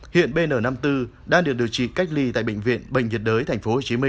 hiện bn năm mươi bốn đang được điều trị cách ly tại bệnh viện bệnh nhiệt đới tp hcm